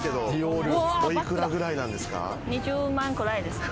お幾らくらいなんですか？